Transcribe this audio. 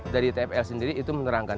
dari tfl sendiri itu menerangkan